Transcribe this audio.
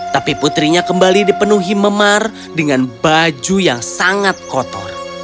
tapi putrinya kembali dipenuhi memar dengan baju yang sangat kotor